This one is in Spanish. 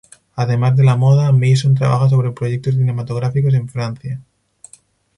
Además de la moda Mason trabaja sobre proyectos cinematográficos en Francia.